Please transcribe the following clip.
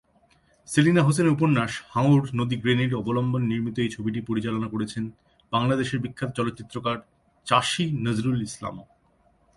সেলিনা হোসেন এর উপন্যাস "হাঙর নদী গ্রেনেড" অবলম্বনে নির্মিত এই ছবিটি পরিচালনা করেছেন বাংলাদেশের বিখ্যাত চলচ্চিত্রকার চাষী নজরুল ইসলাম।